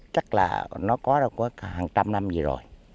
chắc là nó có hàng trăm năm gì rồi